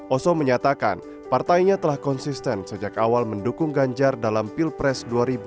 oso menyatakan partainya telah konsisten sejak awal mendukung ganjar dalam pilpres dua ribu dua puluh